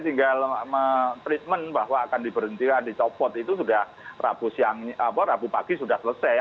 tinggal treatment bahwa akan diberhentikan dicopot itu sudah rabu pagi sudah selesai